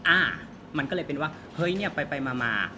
อ่ามันก็เลยเป็นว่าเฮ้ยเนี่ยไปมา